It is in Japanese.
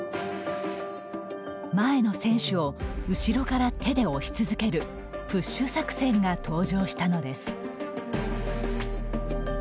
前の選手を後ろから手で押し続ける「プッシュ作戦」が登場したのです。